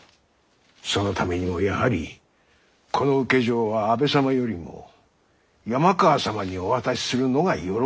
そのためにもやはりこの請状は安部様よりも山川様にお渡しするのがよろしいかと。